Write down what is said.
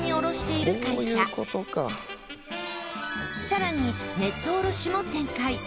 さらにネット卸しも展開。